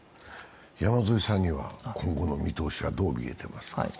山添さんには今後の見通しはどう見えていますか？